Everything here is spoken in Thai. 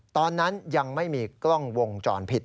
ตอนนั้นยังไม่มีกล้องวงจรปิด